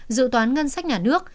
dự toán ngân sách nhà nước